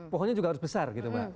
pohonnya juga harus besar gitu mbak